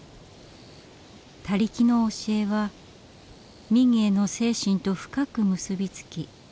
他力の教えは民藝の精神と深く結び付き